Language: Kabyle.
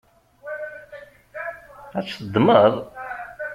Ad tt-teddmeḍ?